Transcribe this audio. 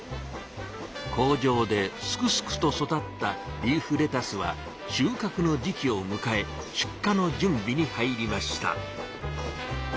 工場ですくすくと育ったリーフレタスは収穫の時期をむかえ出荷のじゅんびに入りました。